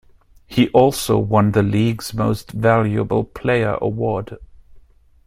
He also won the league's most valuable player award.